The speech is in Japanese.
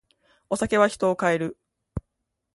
お酒は人を変える。